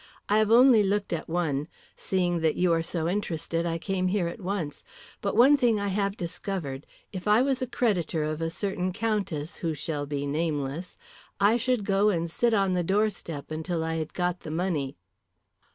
"I have only looked at one. Seeing that you are so interested, I came here at once. But one thing I have discovered if I was a creditor of a certain Countess who shall be nameless, I should go and sit on the doorstep until I had got the money."